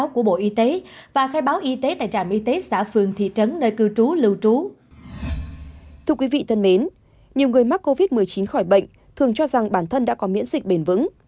thưa quý vị thân mến nhiều người mắc covid một mươi chín khỏi bệnh thường cho rằng bản thân đã có miễn dịch bền vững